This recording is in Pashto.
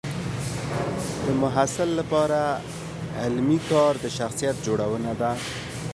د محصل لپاره علمي کار د شخصیت جوړونه ده.